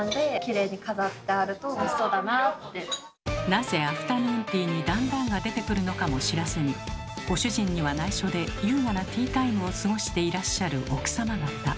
なぜアフタヌーンティーに段々が出てくるのかも知らずにご主人にはないしょで優雅なティータイムを過ごしていらっしゃる奥様方。